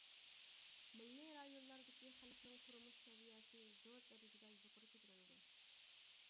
مىللىي رايونلاردىكى خەلقنىڭ تۇرمۇش سەۋىيەسى زور دەرىجىدە يۇقىرى كۆتۈرۈلىدۇ.